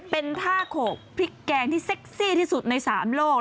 เป็นท่าโขกพริกแกงที่เซ็กซี่ที่สุดใน๓โลก